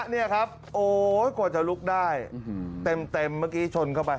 นี่ครับโอ๊ยกว่าจะลุกได้เต็มเมื่อกี้ชนเข้าไป